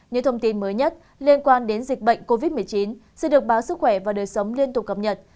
những thông tin mới nhất liên quan đến dịch bệnh covid một mươi chín sẽ được báo sức khỏe và đời sống liên tục cập nhật